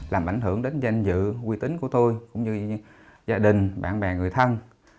làm ảnh hưởng đến danh dự uy tín của tôi cũng như gia đình bạn bè người thân